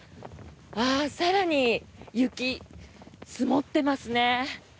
更に雪、積もってますね。